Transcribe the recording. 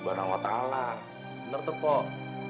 bener tuh pak